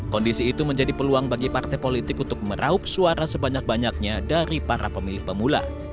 kondisi itu menjadi peluang bagi partai politik untuk meraup suara sebanyak banyaknya dari para pemilih pemula